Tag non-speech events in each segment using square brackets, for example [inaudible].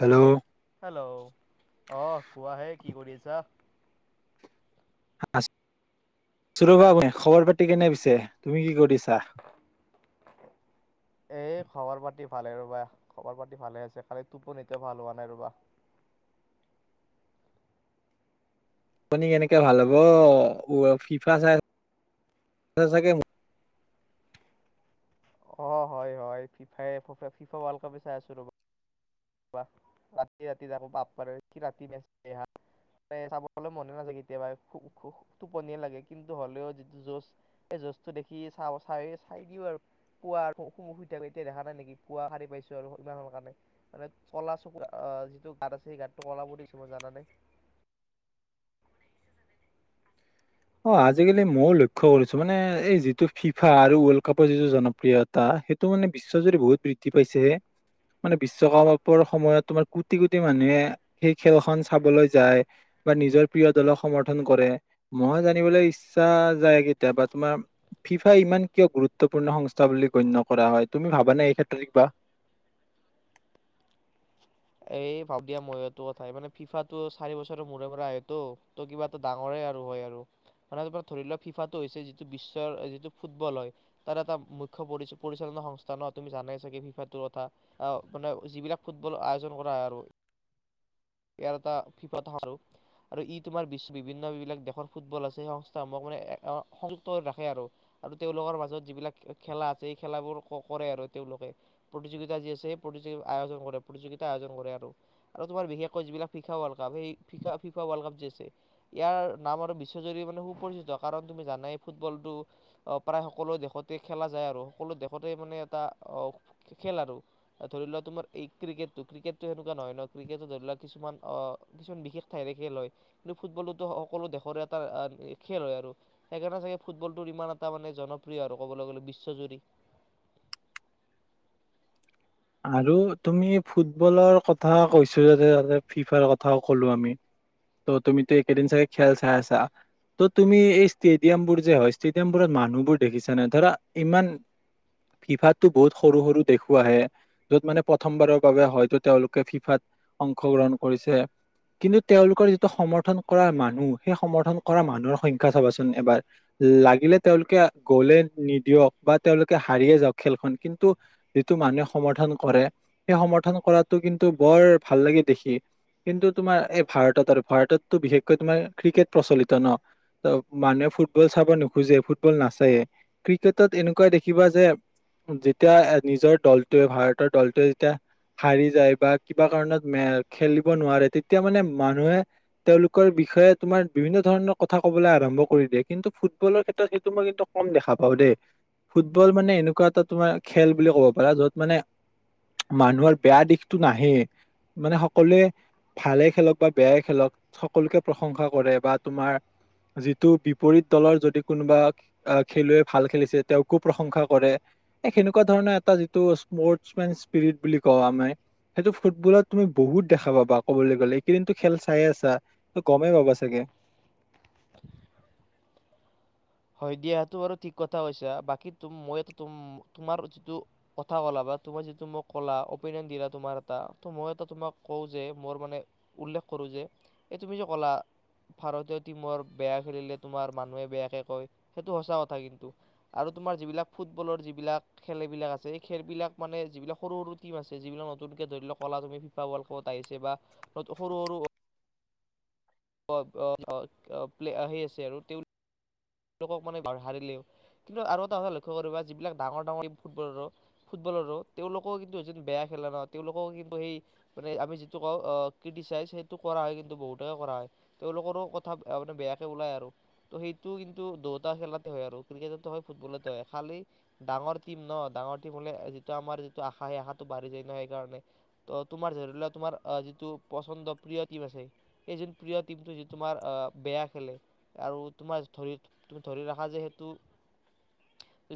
Hello. Hello অহ কোৱাহে কি কৰি আছা? আছোঁ ৰবা খবৰ পাতি কেনে পিছে তুমি কি কৰি আছা? এ খবৰ পাতি ভালে ৰবা খবৰ পাতি ভালে আছে। খালি টোপনিটোৱে ভাল হোৱা নাই ৰবা। টোপনি কেনেকে ভাল হ'ব। ফিফা চাই আছা চাগে? অ হয় হয় ফিফায়ে ফিফা ৱাৰ্ল্ড কাপে চাই আছোঁ ৰবা, ৰাতি ৰাতি যাব বাপৰে কি ৰাতি মেটছ ৰাতি হা। সেই চাবলৈ মনো নাযায় কেতিয়াবা টোপনিয়ে লাগে। কিন্তু হ'লেও যিটো যুজ সেই যুজটো দেখি চ চাই চাই দিও আৰু।। পুৱা আকৌ শু শুই থাকোতে এতিয়া দেখা নাই নেকি পুৱা সাৰী পাইছোঁ আৰু ইমান সোনকালে। কাৰণে মানে কলা চকু আহ যিটো গাত আছে। সেই গাতটো কলা পৰি গৈছে মোৰ জানা নে? অ আজিকালি ময়ও লক্ষ্য কৰিছোঁ মানে এই যিটো ফিফা আৰু ৱৰ্ল্ড কাপৰ যিটো জনপ্ৰিয়তা সেইটো মানে বিশ্বজুৰি বহুত বৃদ্ধি পাইছে হে মানে বিশ্বকাপৰ সময়ত তোমাৰ কোটি কোটি মানুহে সেই খেলখন চাবলৈ যায়। বা নিজৰ প্ৰিয় দলক সমৰ্থন কৰে। মই জানিবলৈ ইচ্ছা যায়। কেতিয়াবা তোমাৰ ফিফা ইমান কিয় গুৰুত্বপূৰ্ণ সংস্থা বুলি গণ্য কৰা হয়। তুমি ভাবানে? এই ক্ষেত্ৰত কিবা? এই ভাবো দিয়া মইয়ো এই টো কথাই মানে ফিফাটো চাৰি বছৰৰ মূৰে মূৰে আহেটো ত কিবা এটা ডাঙৰেই আৰু হয় আৰু মানে ত ধৰি লোৱা ফিফাটো হৈছে যিটো বিশ্বৰ যিটো ফুটবল হয়। তাৰ এটা মুখ্য পৰি পৰিচালনা সংস্থা ন? তুমি জানাই চাগে ফিফাটোৰ কথা। মানে যিবিলাক ফুটবল আ অৰ্জন কৰা হয় আৰু ইয়াৰ এটা ফিফাত আৰু আৰু ই তোমাৰ বিশ্ব বিভিন্নবিলাক দেশৰ ফুটবল আছে। সেই সংস্থাসমূহক মানে সংযুক্ত হে ৰাখে আৰু আৰু তেওঁলোকৰ মাজত যিবিলাক খেলা আছে। সেই খেলাবোৰ ক কৰে আৰু তেওঁলোকে প্ৰতিযোগিতা যি আছে সেই প্ৰতিযোগিত আয়োজন কৰে প্ৰতিযোগিতা আয়োজন কৰে আৰু আৰু তোমাৰ বিশেষ তোমাৰ যিবিলাক ফিফা্ ৱৰ্ল্ড কাপ সেই ফিফা ৱৰ্ল্ড কাপ যে আছে। ইয়াৰ নাম আৰু বিশ্বজুৰি মানে সুপৰিচিত কাৰণ তুমি জানাই ফুটবলটো প্ৰায় সকলো দেশতে খেলা যায় আৰু সকলো দেশতে মানে এটা খেল আৰু ধৰি লোৱা তোমাৰ এই ক্ৰিকেট টো ক্ৰিকেট টো হেনেকোৱা নহয় ন ক্ৰিকেট টো ধৰি লোৱা কিছুমান আহ কিছুমান বিশেষ ঠাইৰে খেল হয়। কিন্তু ফুটবলতো সকলো দেশৰে এটা খেল হয় আৰু সেই কাৰণে চাগে ফুটবলটোৰ ইমান এটা মানে জনপ্ৰিয় আৰু ক'বলৈ গ'লে বিশ্বজুৰি। আৰু তুমি ফুটবলৰ কথা কৈছো যে ফিফাৰ কথাও কলো আমি ত তুমিতো এইকেইদিন চাগে খেল চাই আছা ত' তুমি এই ষ্টেডিয়াম বোৰ যে হয় ষ্টেডিয়াম বোৰত মানুহবোৰ দেখিছা নে ধৰা ইমান ফিফাতটো বহুত সৰু সৰু দেশোআহে। যত মানে প্ৰথমবাৰৰ বাবে হয়তো তেওঁলোকে ফিফাত অংশগ্ৰহণ কৰিছে। কিন্তু তেওঁলোকৰ যিটো সমৰ্থন কৰা মানুহ সেই সমৰ্থন কৰা মানুহৰ সংখ্য চাবাচোন এবাৰ লাগিলে তেওঁলোকে গ'লে নিদিয়ক বা তেওঁলোকে হাৰিয়ে যাওঁক খেলখন কিন্তু যিটো মানুহে সমৰ্থন কৰে সেই সমৰ্থন কৰাটো কিন্তু বৰ ভাল লাগে দেখি। কিন্তু তোমাৰ এই ভাৰতত আৰু ভাৰততটো বিশেষকৈ তোমাৰ ক্ৰিকেট প্ৰচলিত ন? মানুহে ফুটবল চাব নোখোজে ফুটবল নাচায়েই ক্ৰিকেটত এনেকুৱা দেখিবা যে যেতিয়া নিজৰ দল ভাৰতৰ দলটোৱে যেতিয়া হাৰি যায় বা কিবা কাৰণত নে খেলিব নোৱাৰে। তেতিয়া মানে মানুহে তেওঁলোকৰ বিষয়ে তোমাৰ বিভিন্ন ধৰণৰ কথা কবলৈ আৰম্ভ কৰি দিয়ে। কিন্তু ফুটবলৰ ক্ষেত্ৰত সেইটো মই কিন্তু কম দেখা পাওঁ দেই ফুটবল মানে এনেকুৱা এটা তোমাৰ খেল বুলি ক'ব পাৰা য'ত মানে মানুহৰ বেয়া দিশটো নাহেই মানে সকলোৱে ভালে খেলক বা বেয়াই খেলক সকলোকে প্ৰশংসা কৰে বা তোমাৰ যিটো বিপৰীত দলৰ যদি কোনোবা খেলুৱৈ ভাল খেলিছে। তেওঁকো প্ৰশংসা কৰে এই সেনেকুৱা ধৰণৰ এটা যি টো স্পৰ্টচ মেন স্পিৰিট বুলি কওঁ আমি। সেইটো ফুটবলত তুমি বহুত দেখা পাবা। কবলৈ গলে এইকেইদিনটো খেল চায়েই আছা ত গমেই পাবা চাগে হয় দিয়া সেইটো বাৰু ঠিক কথা কৈছা। বাকী তু মই তোমাৰ যিটো কথা ক'লা বা তোমাৰ যিটো মোক ক'লা অপিনিয়ন দিলা। তোমাৰ এটা ত' মই এটা তোমাক কওঁ যে মোৰ মানে উল্লেখ কৰোঁ যে এই তুমি যে ক'লা ভাৰতীয় টীমৰ বেয়া খেলিলে তোমাৰ মানুহে বেয়াকে কয় সেইটো সঁচা কথা কিন্তু, আৰু তোমাৰ যিবিলাক, ফুটবলৰ যিবিলাক খেল এইবিলাক আছে এই খেলবিলাক মানে। যিবিলাক সৰু সৰু টিম আছে যিলাক নতুনকে ধৰা ক'লা তুমি ফিফা ৱৰ্ল্ড কাপত আহিছে বা সৰু সৰু প্ প প্লে আহি আছে আৰু তেওঁ তেওঁলোকক মানে বা হাৰিলে কিন্তু আৰু এটা কথা লক্ষ্য কৰিবা। যিবিলাক ডাঙৰ ডাঙৰ ফুটবল আৰু ফুটবলাৰো তেওঁলোকেও কিন্তু এজন বেয়া খেলে ন তেওঁলোকক কিন্তু হেই আমি যিটো কওঁ ক্ৰিটিচাইজ সেইটো কৰা হয়। কিন্তু বহুতে কৰা হয়। তেওঁলোকৰো কথা মানে বেয়াকে ওলায় আৰু তো সেইটো কিন্তু।। টো দুয়টা খেলতে হয় আৰু ক্ৰিকেটতো হয় ফুটবলতো হয়। খালি ডাঙৰ টিম ন ডাঙৰ টিম হ'লে যিটো আমাৰ যিটো আশা। সেই আশাটো বাঢ়ি যায় ন? সেইকাৰণে ত তোমাৰ ধৰিলোৱ তোমাৰ যিটো পচন্দ প্ৰিয় টিম আছে। সেই যোন প্ৰিয় টিমটো যিটো আ তোমাৰ বেয়া খেলে আৰু তোমাৰ ধৰি।। তুমি ধৰি ৰাখা যে সেইটো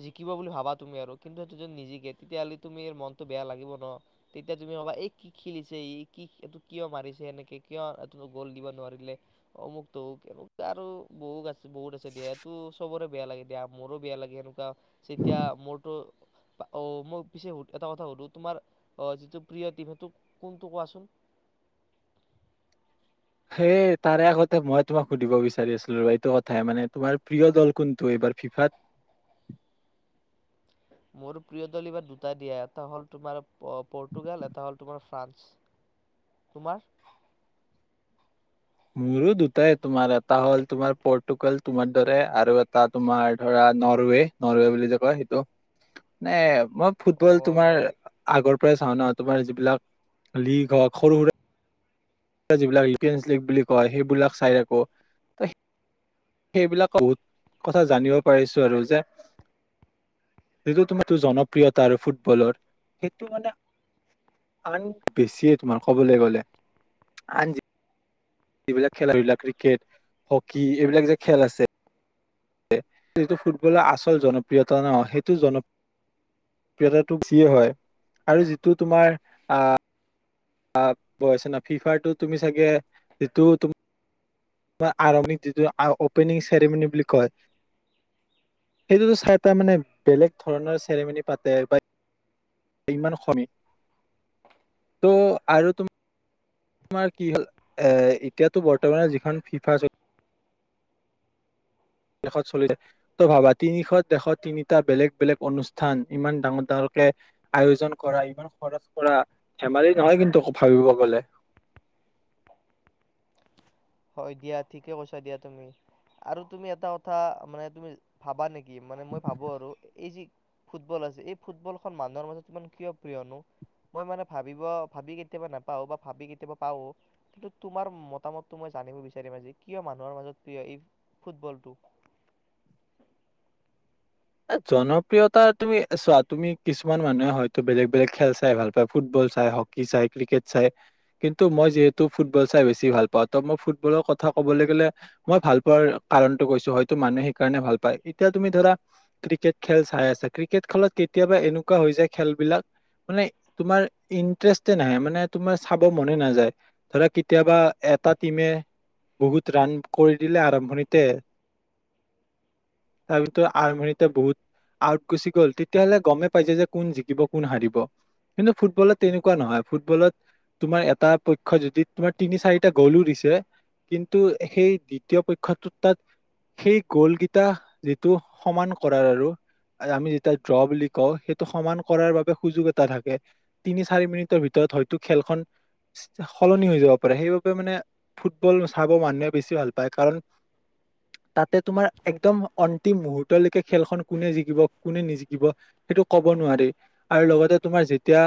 জিকিব বুলি ভাবা। তুমি আৰু কিন্তু সেইটো যদি নিজিকে তেতিয়াহলি তুমিৰ মনতটো বেয়া লাগিব ন? তেতিয়া তুমি কবা এই কি খেলিছে ই কি এইটো কিয় মাৰিছে। এেনেকে কিয় গ'ল দিব নোৱাৰিলে। অমুক তমুক এনেকে আৰু বহুত আছে বহুত আ।। বেয়াটো এইটো চবৰে বেয়া লাগে দিয়া মোৰো বেয়া লাগে। এনেকুৱা যেতিয়া মোৰটো অ' মই পিছে এটা কথা সুধো? তোমাৰ যিটো প্ৰিয় টিম সেইটো কোনটো কোৱাচোন? সেই তাৰে আগতে মই তোমাক সুধিব বিচাৰি আছিলো? এইটো কথাই মানে তোমাৰ প্ৰিয় দল কোনটো এইবাৰ ফিফাত? মোৰ প্ৰিয় দল এইবাৰ দুটা দিয়া এটা হ'ল তোমাৰ প পৰ্তুগাল এটা হ'ল তোমাৰ ফ্ৰান্স। তোমাৰ? মোৰো দুটাই তোমাৰ এটা হ'ল তোমাৰ পৰ্টুগাল তোমাৰ দৰে আৰু এটা তোমাৰ ধৰা নৰৱে, নৰৱে বুলি যে কয় সেইটো মানে।। মই ফুটবল অ' তোমাৰ নল আগৰ চাওঁ ন তোমাৰ যিবিলাক, লিগ হওঁক সৰু সুৰা যিবিলাক ইপিয় লীগ বুলি কয় সেইবিলাক চাই আকো ত সেইবিলাক বহুত কথা জানিব পাৰিছো আৰু যে যিটো তোমাৰ জনপ্ৰিয়তা আৰু ফুটবলৰ সেইটো মানে আন বেছিয়ে তোমাৰ কবলৈ গলে [unintelligible] এইবিলাক খেল সবিলাক ক্ৰিকেট হকী এইবিলাক যে খেল আছে যিটো ফুটবলৰ আচল জনপ্ৰিয়তা ন সেইটো জনপ্ৰিয়তাটোয়ে হয় আৰু যিটো তোমাৰ অঁ আহছ না ফিফাৰটো তুমি চাগে যিটো তুমি আৰম্ভিক যিটো অপেনিং চেৰেমনী বুলি কয় সেইটোতো চাই তটা মানে বেলেগ ধৰণৰ চেৰেমনী পাতে বা ইমান সমেই ত' আৰু তুমি তোমাৰ কি হ'ল এ এতিয়াতো বৰ্তমানৰ যিখন ফিফা চলি দেশত চলিছে তই ভাবা তিনিশত দেশত তিনিটা বেলেগ বেলেগ অনুষ্ঠান ইমান ডাঙৰ ডাঙৰকে আয়োজন কৰা ইমান খৰচ কৰা ধেমালি নহয় কিন্তু ভাবিব গলে হয় দিয়া ঠিকে কৈছা দিয়া তুমি আৰু তুমি এটা কথা মানে তুমি ভাবা নেকি কি মানে মই ভাবো আৰু এই যি ফুটবল আছে এই ফুটবলখন মানুহৰ মাজত ইমান কিয় প্ৰিয়নো মই মানে ভাবিব ভাবি কেতিয়াবা নাপাওঁ বা ভাবি কেতিয়াবা পাও কিন্তু তোমাৰ মতামত মই জানিব বিচাৰিম আজি কিয় মানুহৰ মাজত প্ৰিয় এই ফুটবলটো জনপ্ৰিয়তা তুমি চোৱা তুমি কিছুমান মানুহে হয়তো বেলেগ বেলেগ খেল চাই ভাল পায় ফুটবল চাই হকী চাই ক্ৰিকেট চাই কিন্তু মই যিহেতু ফুটবল চাই বেছি ভাল পাওঁ ত মই ফুটবলৰ কথা কবলৈ গ'লে মই ভাল পোৱাৰ কাৰণটো কৈছো হয়তো মানুহে সেইকাৰণে ভাল পায় এতিয়া তুমি ধৰা ক্ৰিকেট খেল চাই আছা ক্ৰিকেট খেলত কেতিয়াবা এনেকুৱা হৈ যায় খেলবিলাক মানে তোমাৰ ইন্টাৰেষ্টে নাহে মানে তোমাৰ চাব মনে নাযায় ধৰা কেতিয়াবা এটা টিমে বহুত ৰাণ কৰি দিলে আৰম্ভণিতে তাৰ ভিতৰত আৰম্ভনিতে বহুত আউট গুচি গল তেতিয়াহলে গমেই পাইছে যে কোন জিকিব কোন হাৰিব কিন্তু ফুটবলত তেনেকুৱা নহয় ফুটবলত তোমাৰ এটা পক্ষ যদি তোমাৰ তিনি চাৰিটা গ'লো দিছে কিন্তু সেই দ্বিতীয় পক্ষটোত তাত সেই গ'লকেইটা যিটো সমান কৰাৰ আৰু আমি যেতিয়া ড্ৰ বুলি কওঁ সেইটো সমান কৰাৰ বাবে সুযোগ এটা থাকে তিনি চাৰি মিনিটৰ ভিতৰত হয়তো খেলখন সলনি হৈ যাব পাৰে সেইবাবে মানে ফুটবল চাব মানুহে বেছি ভাল পায় কাৰণ তাতে তোমাৰ একদম অন্তিম মুহুৰ্তলৈকে খেলখন কোনে জিকিব কোনে নিজিকিব সেইটো ক'ব নোৱাৰি আৰু লগতে তোমাৰ যেতিয়া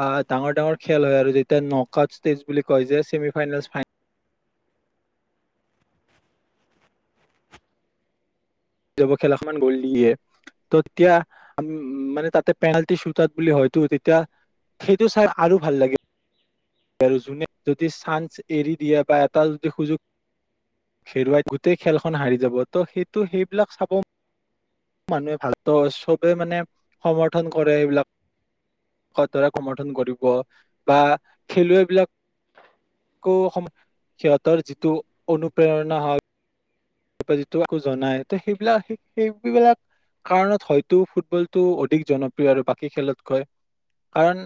আহ ডাঙৰ ডাঙৰ খেল হয় আৰু যেতিয়া নক আউট ষ্টেজ বুলি কয় যে চছেমি ফাইনেল খেলখনত গল দিয়ে ত তেতিয়া মানে তাতে পেনাল্টি চুটাৰ বুলি হয়তো তেতিয়া সেইটো চাই আৰু ভাল লাগে আৰু যোনে যদি চান্স এৰি দিয়ে বা এটা যদি সুযোগ হেৰুৱাই গোটেই খেলখন হাৰি যাব ত' সেইটো সেই এইবিলাক চাব মানুহে ভাল চবে মানে সমৰ্থন কৰে এইবিলাকৰে সমৰ্থন কৰিব বা খেলুৱৈবিলাক সিহঁতৰ যিটো অনুপ্ৰেৰণা হওক ত যিটোো জনাই ত সেইবিলাক সেইবিলাক কাৰণত হয়তো ফুটবলটো অধিক জনপ্ৰিয় আৰু বাকী খেলতকৈ কাৰণ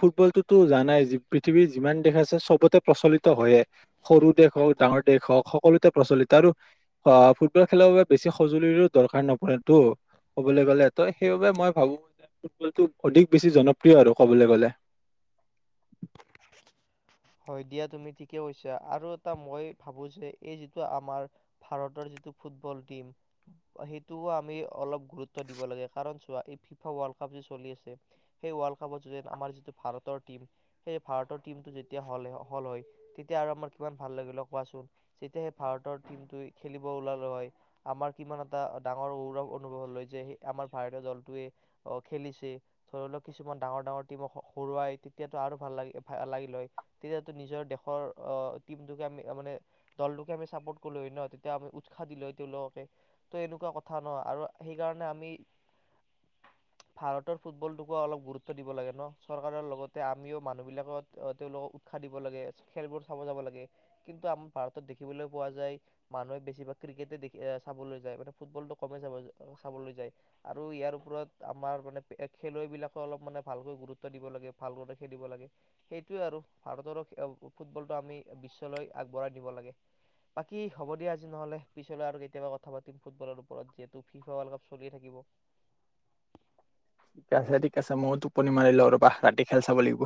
ফুটবলটোতো জানাই পৃথিৱীৰ যিমান দেশ আছে চবতে প্ৰচলিত হয়য়ে সৰু দেশ হওক ডাঙৰ দেশ হওক সকলোতে প্ৰচলিত আৰু অ' ফুটবল খেলাৰ বাবে বেছি সঁজুলিৰো দৰকাৰ নপৰেতটো কবলৈ গ'লে ত সেইবাবে মই ভাবো যে ফুটবলটো অধিক বেছি জনপ্ৰিয় আৰু কবলৈ গলে হয় দিয়া তুমি ঠিকে কৈছা আৰু এটা মই ভাবো যে এই যিটো আমাৰ ভাৰতৰ যিটো ফুটবল টিম সেইটোও আমি অলপ গুৰুত্ব দিব লাগে কাৰণ চোা এই ফিফা ৱৰ্ল কাপ যে চলি আছে সেই ৱৰ্লড কাপত আমাৰ যিটো ভাৰতৰ টিম সেই ভাৰতৰ টীমটো যেতিয়া হলে হল হয় তেতিয়া আৰু আমাৰ কিমান ভাল লাগিলে হয় কোৱাচোন যেতিয়া সেই ভাৰতৰ টীমটোৱে খেলিব ওলাল হয় আমাৰ কিমান এটা ডাঙৰ গৌৰৱ অনুভৱ হ'ল যে সেই আমাৰ ভাৰতীয় দলটোৱে খেলিছে ধৰি লওক কিছুমান ডাঙৰ ডাঙৰ টীমক হৰুৱাই তেতিয়াতো আৰু ভাল লা লাগিল লয় তেতিয়ো নিজৰ দেশৰ আহ টিমটোকে আ মানে দলটোকে আমি চাপৰ্ট কৰিলো হয় ন তেতিয়া আমি উৎসাহ দিলো তেওঁলোককে ত এনেকুৱা কথা ন আৰু সেই কাৰণে আমি ভাৰতৰ ফুটবলটোকো অলপ গুৰুত্ব দিব লাগে ন চৰকাৰৰ লগতে আমিও আমিও মানুহবিলাকত তেওঁলোকক উৎসাহ দিব লাগে খেলবোৰ চাব যাব লাগে কিন্তু আমাৰ ভাৰতত দেখিবলৈ পোৱা যায় মানুহে বেছিভাগ ক্ৰিকেটে দেখি চাবলৈ যায় মানে ফুটবলটো কমেই চাব চাবলৈ যায় আৰু ইয়াৰ ওপৰত আমাৰ মানে খেলুৱৈবিলাকে অলপ মানে ভালকৈ গুৰুত্ব দিব লাগে ভাল খেলিব লাগে সেইটোৱেই আৰু ভাৰতৰো ফুটবলটো আমি বিশ্বলৈ আগবঢ়াই নিব লাগে বাকী হ'ব দিয়া আজি নহলে পিছলৈ আৰু কেতিয়াবা কথা পাতিম ফুটবলৰ ওপৰত যিহেতু ফিফা ৱৰ্ল্ড কাপ চলিয়ে থাকিব ঠিক আছে ঠিক আছে ময়ো টোপনি মাৰিলো ৰবা ৰাতি খেল চাব লাগিব